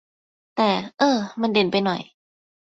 แต่ เอ้อ มันเด่นไปหน่อย